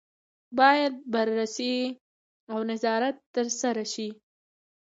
باید بررسي او نظارت ترسره شي.